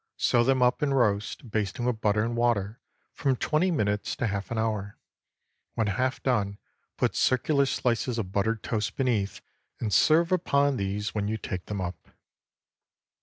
Sew them up and roast, basting with butter and water, from twenty minutes to half an hour. When half done, put circular slices of buttered toast beneath, and serve upon these when you take them up.